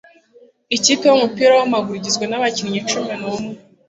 Ikipe yumupira wamaguru igizwe nabakinnyi cumi n'umwe.